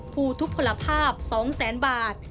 ผู้ทุพพลภาพ๒๐๐๐๐๐บาท